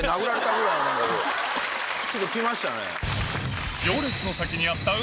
ちょっときましたね。